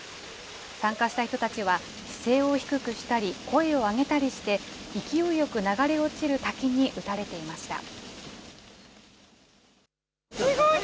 参加した人たちは、姿勢を低くしたり、声を上げたりして、勢いよく流れ落ちる滝に打たれていました。